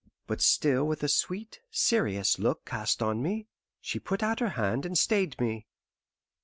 But still with a sweet, serious look cast on me, she put out her hand and stayed me.